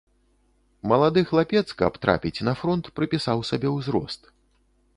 Малады хлапец, каб трапіць на фронт, прыпісаў сабе ўзрост.